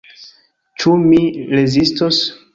Ĉu mi rezistos?